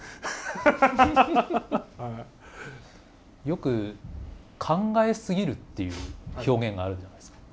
よく考えすぎるっていう表現があるじゃないですか。